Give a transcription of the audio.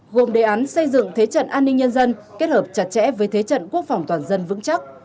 gồm đề án xây dựng thế trận an ninh nhân dân kết hợp chặt chẽ với thế trận quốc phòng toàn dân vững chắc